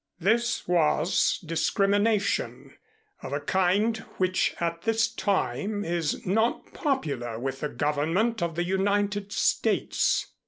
"This was discrimination of a kind which at this time is not popular with the Government of the United States."